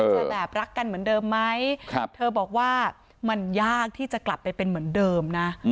จะแบบรักกันเหมือนเดิมไหมเธอบอกว่ามันยากที่จะกลับไปเป็นเหมือนเดิมนะ